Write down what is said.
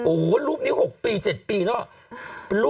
โอโหรูปนี้๖ปี๗ปีนะว่ะ